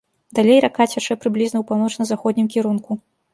Далей рака цячэ прыблізна ў паўночна-заходнім кірунку.